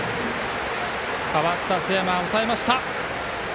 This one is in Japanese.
代わった瀬山、抑えました。